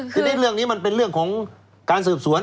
ทีนี้เรื่องนี้มันเป็นเรื่องของการสืบสวน